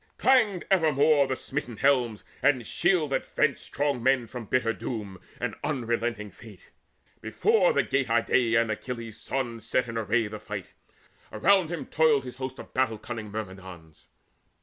Clanged evermore The smitten helms and shields that fenced strong men From bitter doom and unrelenting fate, Before the Gate Idaean Achilles' son Set in array the fight: around him toiled His host of battle cunning Myrmidons.